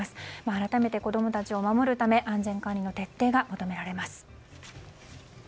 改めて子供たちを守るため安全管理の徹底が求められます。